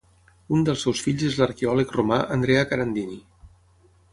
Un dels seus fills és l'arqueòleg romà Andrea Carandini.